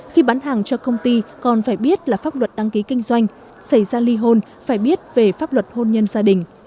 khi bán hàng cho công ty còn phải biết là pháp luật đăng ký kinh doanh xảy ra ly hôn phải biết về pháp luật hôn nhân gia đình